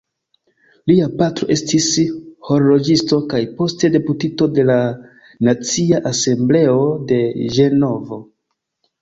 Lia patro estis horloĝisto kaj poste deputito de la Nacia Asembleo de Ĝenovo.